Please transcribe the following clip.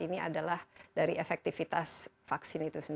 ini adalah dari efektivitas vaksin